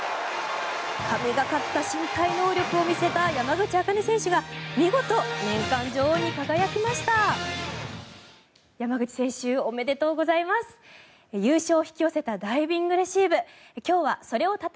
神懸かった身体能力を見せた山口選手が見事、年間女王に輝きました。